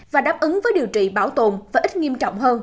và đáp ứng với điều trị bảo tồn và ít nghiêm trọng hơn